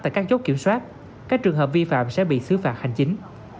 tại các chốt kiểm soát các trường hợp vi phạm sẽ bị xứ phạt hành chính